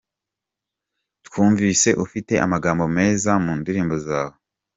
com:Twumvise ufite amagambo meza mundirimbo zawe .